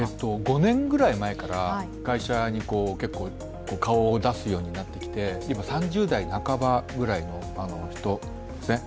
５年ぐらい前から会社に結構、顔を出すようになって今３０代半ばぐらいの人ですね。